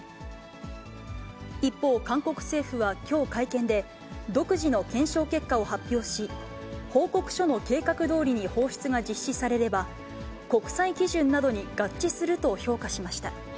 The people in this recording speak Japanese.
一方、韓国政府はきょう会見で、独自の検証結果を発表し、報告書の計画どおりに放出が実施されれば、国際基準などに合致すると評価しました。